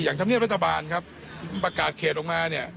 อย่างทำเนียมรัฐบาลครับประกาศเขตออกมาเนี่ย